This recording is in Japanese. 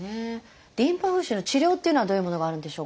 リンパ浮腫の治療っていうのはどういうものがあるんでしょうか？